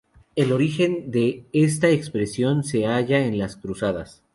El origen de esta expresión se halla en las Cruzadas.